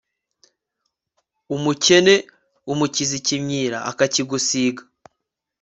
umukene umukiza ikimyira akakigusiga